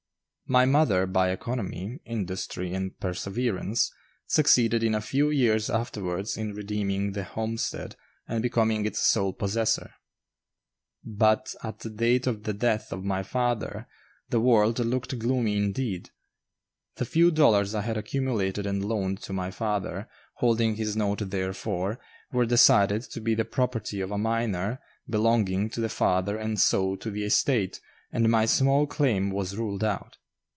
My mother, by economy, industry, and perseverance, succeeded in a few years afterwards in redeeming the homestead and becoming its sole possessor; but, at the date of the death of my father, the world looked gloomy indeed; the few dollars I had accumulated and loaned to my father, holding his note therefor, were decided to be the property of a minor, belonging to the father and so to the estate, and my small claim was ruled out.